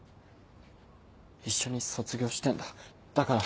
一緒に卒業してぇんだだから。